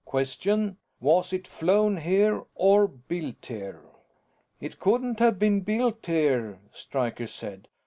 Question: Was it flown here, or built here?" "It couldn't have been built here," Stryker said.